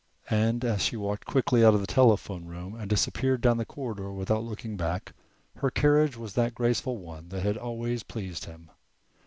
And as she walked quickly out of the telephone room and disappeared down the corridor without looking back, her carriage was that graceful one that had always pleased him.